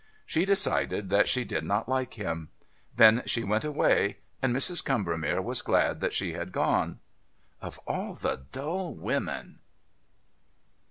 She decided that she did not like him. Then she went away, and Mrs. Combermere was glad that she had gone. Of all the dull women....